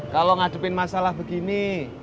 kalo ngadepin masalah begini